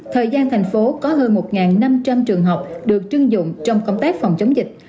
thời gian thành phố có hơn một năm trăm linh trường học được chưng dụng trong công tác phòng chống dịch